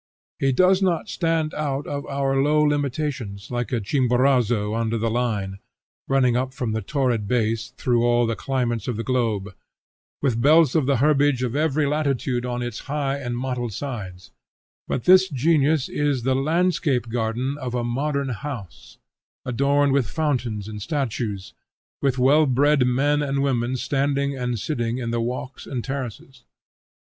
He does not stand out of our low limitations, like a Chimborazo under the line, running up from the torrid Base through all the climates of the globe, with belts of the herbage of every latitude on its high and mottled sides; but this genius is the landscape garden of a modern house, adorned with fountains and statues, with well bred men and women standing and sitting in the walks and terraces.